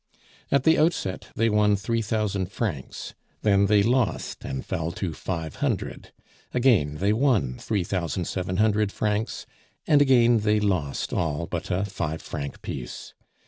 At the outset they won three thousand francs, then they lost and fell to five hundred; again they won three thousand seven hundred francs, and again they lost all but a five franc piece.